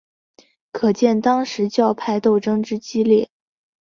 可见当时教派斗争之激烈。